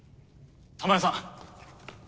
珠世さん！